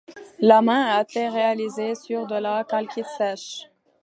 La main a été réalisée sur de la calcite sèche.